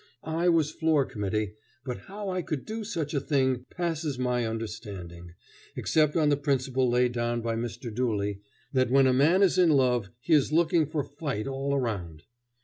I was floor committee, but how I could do such a thing passes my understanding, except on the principle laid down by Mr. Dooley that when a man is in love he is looking for fight all around.